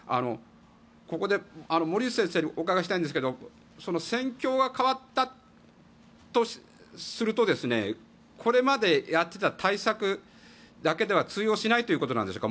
ここで森内先生にお伺いしたいんですけど戦況が変わったとするとこれまでやっていた対策だけでは通用しないということなんでしょうか。